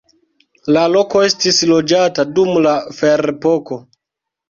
La loko estis loĝata dum la ferepoko.